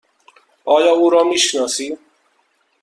آیا او را می شناسی؟